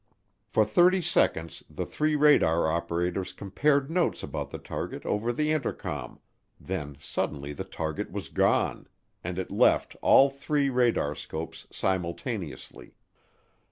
For thirty seconds the three radar operators compared notes about the target over the intercom, then suddenly the target was gone and it left all three radarscopes simultaneously.